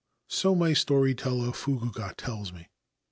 So my story teller, Fukuga, tells me.